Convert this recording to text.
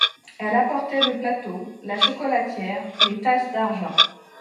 Elle apportait le plateau, la chocolatière, les tasses d'argent.